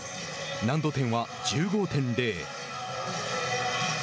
難度点は１５．０。